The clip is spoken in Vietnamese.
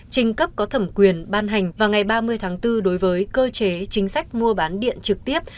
trình cấp có thẩm quyền ban hành vào ngày ba mươi tháng bốn đối với cơ chế chính sách mua bán điện trực tiếp